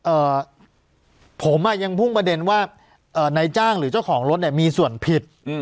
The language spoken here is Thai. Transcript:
เอ่อผมอ่ะยังพุ่งประเด็นว่าเอ่อนายจ้างหรือเจ้าของรถเนี่ยมีส่วนผิดอืม